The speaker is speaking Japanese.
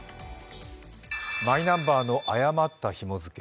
マイナンバーの誤ったひも付け。